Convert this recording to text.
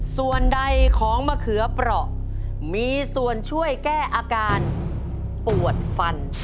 ส่วนใดของมะเขือเปราะมีส่วนช่วยแก้อาการปวดฟัน